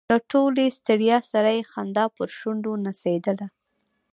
له ټولې ستړیا سره یې خندا پر شونډو نڅېدله.